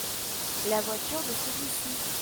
La voiture de celui-ci.